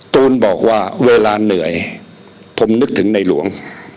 ตูนบอกว่าเวลาเหนื่อยผมนึกถึงในหลวง